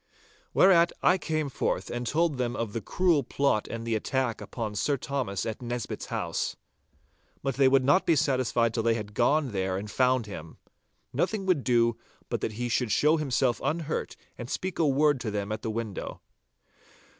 Whereat I came forth and told them of the cruel plot and the attack upon Sir Thomas at Nisbett's house. But they would not be satisfied till they had gone there and found him. Nothing would do but that he should show himself unhurt and speak a word to them at the window.